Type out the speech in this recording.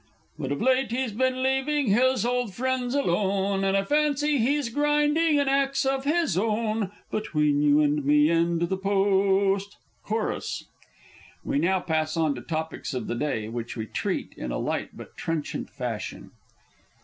_) But of late he's been leaving his old friends alone, And I fancy he's grinding an axe of his own, Between you and me and the Post! (Chorus.) (_We now pass on to Topics of the Day, which we treat in a light but trenchant fashion.